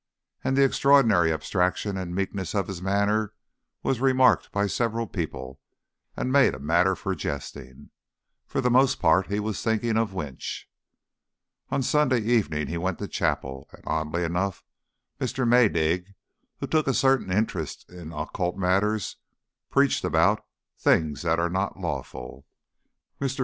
And the extraordinary abstraction and meekness of his manner was remarked by several people, and made a matter for jesting. For the most part he was thinking of Winch. On Sunday evening he went to chapel, and oddly enough, Mr. Maydig, who took a certain interest in occult matters, preached about "things that are not lawful." Mr.